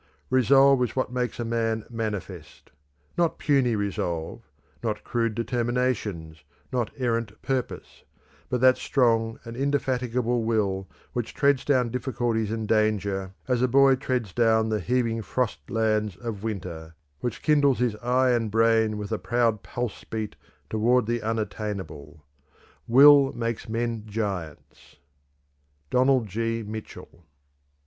"Resolve is what makes a man manifest; not puny resolve, not crude determinations, not errant purpose, but that strong and indefatigable will which treads down difficulties and danger as a boy treads down the heaving frost lands of winter, which kindles his eye and brain with a proud pulse beat toward the unattainable. Will makes men giants." _Donald G. Mitchell.